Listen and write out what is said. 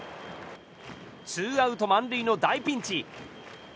ツーアウト満塁の大ピンチ。